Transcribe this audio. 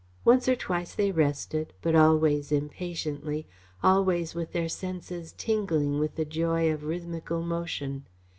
Once or twice they rested, but always impatiently, always with their senses tingling with the joy of rhythmical motion.